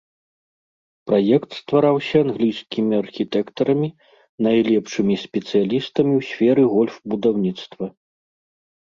Праект ствараўся англійскімі архітэктарамі, найлепшымі спецыялістамі ў сферы гольф-будаўніцтва.